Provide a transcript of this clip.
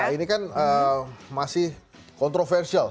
ini kan masih kontroversial